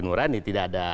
seperti nurani tidak ada